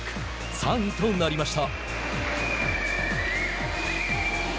３位となりました。